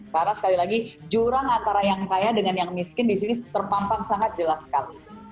karena sekali lagi jurang antara yang kaya dengan yang miskin disini terpampang sangat jelas sekali